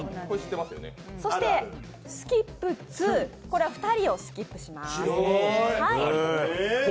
そして、スキップ２、これは２人をスキップします。